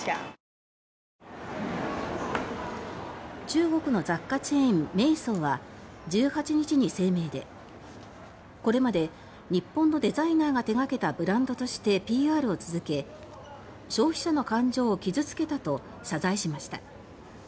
中国の雑貨チェーンメイソウは、１８日に声明でこれまで日本のデザイナーが手掛けたブランドとしてＰＲを続け消費者の感情を傷付けたと謝罪しました。